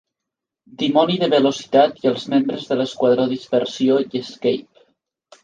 Dimoni de velocitat i els membres de l'esquadró dispersió i Escape.